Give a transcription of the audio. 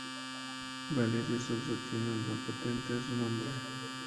Valeria Souza tiene una patente a su nombre.